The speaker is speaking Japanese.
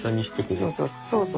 そうそうそうそう。